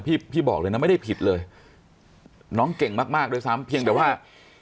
พี่พี่บอกเลยนะไม่ได้ผิดเลยน้องเก่งมากมากด้วยซ้ำเพียงแต่ว่า